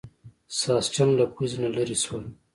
ساسچن له پوزې نه لرې شول.